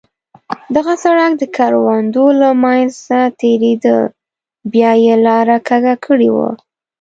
دغه سړک د کروندو له منځه تېرېده، بیا یې لاره کږه کړې وه.